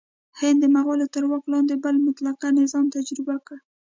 هند د مغولو تر واک لاندې بل مطلقه نظام تجربه کړ.